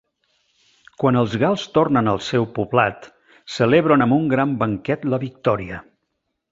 Quan els gals tornen al seu poblat celebren amb un gran banquet la victòria.